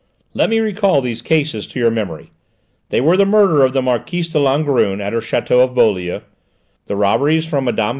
Let me recall these cases to your memory: they were the murder of the Marquise de Langrune at her château of Beaulieu; the robberies from Mme.